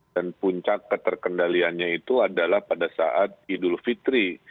dan puncak keterkendaliannya itu adalah pada saat idul fitri